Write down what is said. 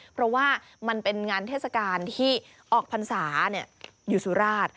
เพราะว่ามันเป็นงานเทศกาลที่ออกพรรษาอยู่สุราช